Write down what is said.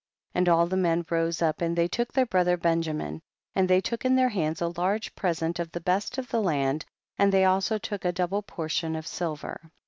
24. And all the men rose up, and they took their brother Benjamin, and they took in their hands a large present of the best of the land, and they also took a double portion of silver.